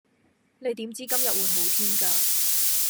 你點知今日會好天架